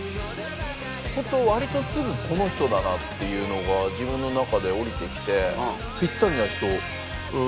本当割とすぐこの人だなっていうのが自分の中で降りてきて。